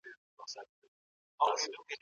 نازولې